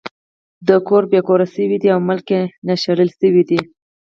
د کوره بې کوره شوے دے او ملک نه شړلے شوے دے